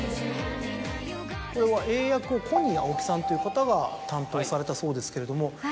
これは英訳をＫｏｎｎｉｅＡｏｋｉさんという方が担当されたそうですけれども。